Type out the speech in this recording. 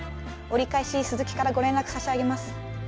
折り返し鈴木からご連絡差し上げます。